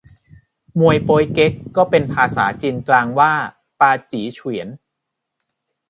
มวยโป๊ยเก๊ก เรียกเป็นภาษาจีนกลางว่าปาจี๋เฉวียน